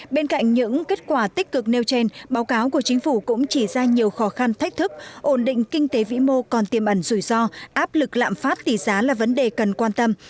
bên cạnh những kết quả tích cực nêu trên báo cáo của chính phủ cũng chỉ ra nhiều khó khăn thách thức ổn định kinh tế vĩ mô còn tiềm ẩn rủi ro áp lực lạm phát tỷ giá là vấn đề cần quan tâm